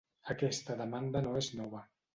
Aquesta demanda no és nova.